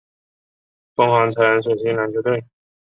凤凰城水星篮球队。